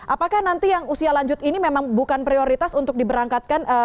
apakah nanti yang usia lanjut ini memang bukan prioritas untuk diberangkatkan